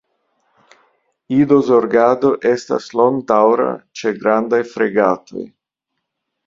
Idozorgado estas longdaŭra ĉe Grandaj fregatoj.